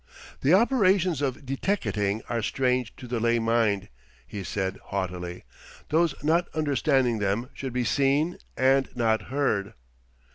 "The operations of deteckating are strange to the lay mind," he said haughtily. "Those not understanding them should be seen and not heard."